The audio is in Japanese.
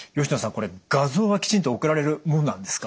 これ画像はきちんと送られるものなんですか？